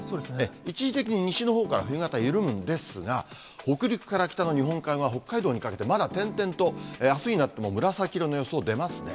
一時的に西のほうから冬型緩むんですが、北陸から北の日本海側、北海道にかけて、まだ点々と、あすになっても紫色の予想出ますね。